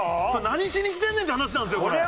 何しに来てんねんって話なんですよこれ。